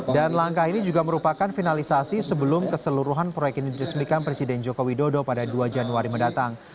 dan langkah ini juga merupakan finalisasi sebelum keseluruhan proyek ini disemikkan presiden jokowi dodo pada dua januari mendatang